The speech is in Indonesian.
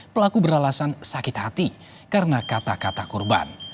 pelaku beralasan sakit hati karena kata kata korban